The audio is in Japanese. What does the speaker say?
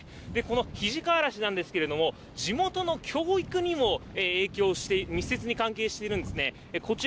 この肱川あらしなんですけれども、地元の教育にも影響して、密接に関係しているんですね。